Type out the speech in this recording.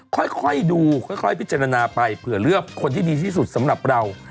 ค่อยดูค่อยพิจารณาไปเผื่อเลือกคนที่ดีที่สุดสำหรับเรา